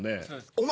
お前